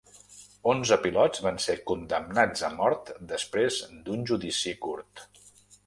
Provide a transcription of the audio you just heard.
Onze pilots van ser condemnats a mort després d'un judici curt.